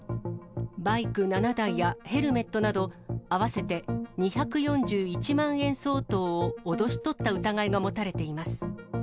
バイク７台やヘルメットなど、合わせて２４１万円相当を脅し取った疑いが持たれています。